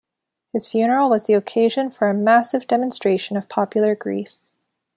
His funeral was the occasion for a massive demonstration of popular grief.